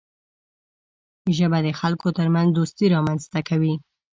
ژبه د خلکو ترمنځ دوستي رامنځته کوي